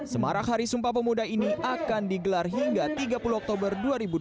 semarak hari sumpah pemuda ini akan digelar hingga tiga puluh oktober dua ribu dua puluh